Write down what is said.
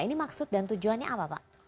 ini maksud dan tujuannya apa pak